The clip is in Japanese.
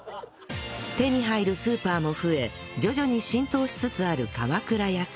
手に入るスーパーも増え徐々に浸透しつつある鎌倉野菜